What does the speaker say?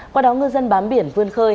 qua đó ngư dân bám biển vươn khơi